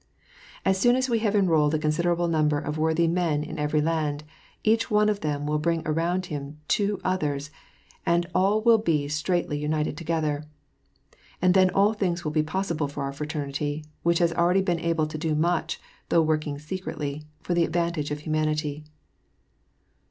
As soon as we have enrolled a considerable number of worthy men in every land, e&ch one of them will bring around him two others, and all will be straitly united together ; then all things will be possible for our Fraternity, which has already been able to do much, though working secretly, for the advantage of humanity."